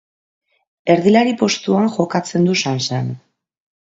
Erdilari postuan jokatzen du Sansen.